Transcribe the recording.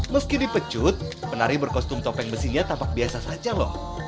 meski dipecut penari berkostum topeng besinya tampak biasa saja loh